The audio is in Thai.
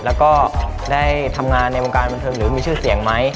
แล้วก็ได้ทำงานในวงการบันเทิงหรือมีชื่อเสียงไหม